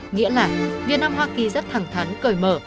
nghĩa là việt nam hoa kỳ rất thẳng thắn cởi mở